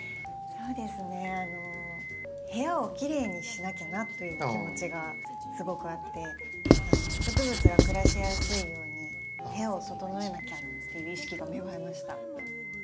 そうですね部屋をきれいにしなきゃなという気持ちがすごくあって植物が暮らしやすいように部屋を整えなきゃっていう意識が芽生えました。